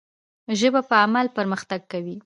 ژبه په عمل پرمختګ کوي.